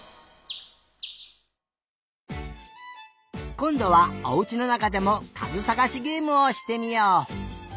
こんどはおうちのなかでもかずさがしゲームをしてみよう！